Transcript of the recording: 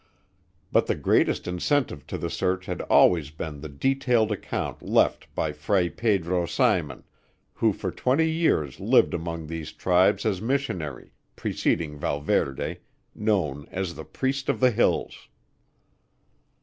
But the greatest incentive to the search had always been the detailed account left by Fray Pedro Simon, who for twenty years lived among these tribes as missionary, preceding Valverde, known as the Priest of the Hills.